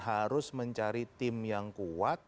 harus mencari tim yang kuat